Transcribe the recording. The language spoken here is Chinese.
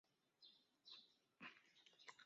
纺锤体一般产生于早前期消失。